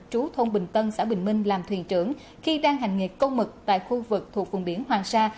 trú thôn bình tân xã bình minh làm thuyền trưởng khi đang hành nghề câu mực tại khu vực thuộc vùng biển hoàng sa